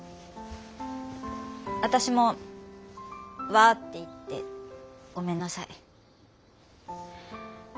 私もわって言ってごめんなさい。